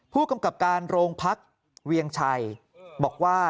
ผู้กำกับการโรงพักเวียงชัยบอกว่า